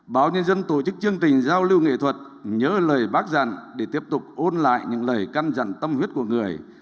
báo nhân dân tổ chức chương trình giao lưu nghệ thuật nhớ lời bác dặn để tiếp tục ôn lại những lời căn dặn tâm huyết của người